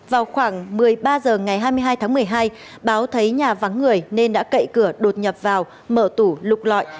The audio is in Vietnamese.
vào khoảng một mươi ba h ngày hai mươi hai tháng một mươi hai báo thấy nhà vắng người nên đã cậy cửa đột nhập vào mở tủ lục lọi